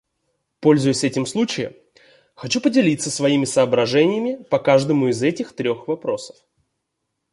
Пользуясь этим случаем, хочу поделиться своими соображениями по каждому из этих трех вопросов.